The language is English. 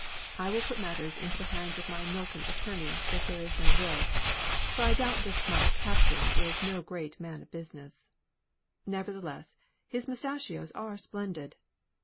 I will put matters into the hands of my Milton attorney if there is no will; for I doubt this smart Captain is no great man of business. Nevertheless, his moustachios are splendid.